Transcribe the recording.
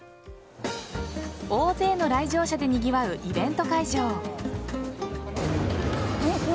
大勢の来場者でにぎわうイベント会場。